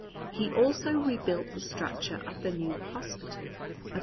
He also rebuilt the structure of the new Hospital of S.